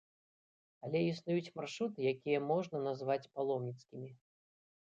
Але існуюць маршруты, якія можна назваць паломніцкімі.